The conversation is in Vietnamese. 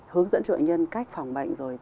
hướng dẫn cho bệnh nhân cách phòng bệnh rồi